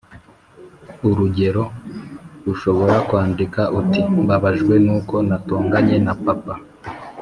Urugero, ushobora kwandika uti “mbabajwe n’uko natonganye na papa